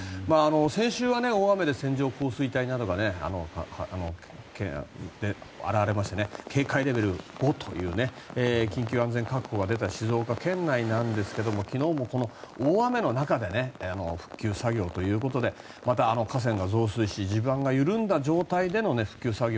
先週は大雨で線状降水帯などが現れまして警戒レベル５という緊急安全確保が出た静岡県内ですが昨日は大雨の中で復旧作業ということでまた河川が増水し地盤が緩んだ状態での復旧作業。